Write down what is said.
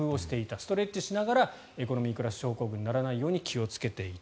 ストレッチをしながらエコノミー症候群にならないように気をつけていた。